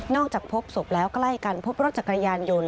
จากพบศพแล้วใกล้กันพบรถจักรยานยนต์